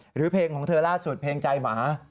หรือเพลงของเธอล่าสุดเพลงใจหมา